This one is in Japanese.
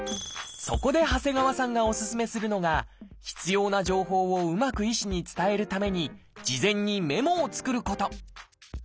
そこで長谷川さんがお勧めするのが必要な情報をうまく医師に伝えるために事前にメモを作ること。